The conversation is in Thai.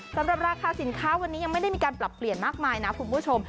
สำหรับราคาสินค้าวันนี้ยังไม่ได้มีการปรับเปลี่ยนมากมายนะคุณผู้ชม